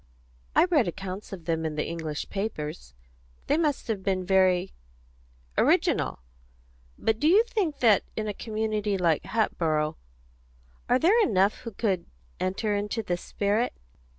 "I read accounts of them in the English papers. They must have been very original. But do you think that in a community like Hatboro' Are there enough who could enter into the spirit?"